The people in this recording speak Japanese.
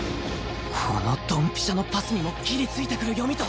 このドンピシャのパスにもギリついてくる読みと反応